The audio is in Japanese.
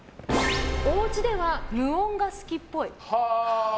おうちでは無音が好きっぽい。